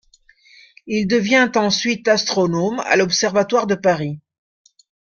Il devient ensuite astronome à l'Observatoire de Paris.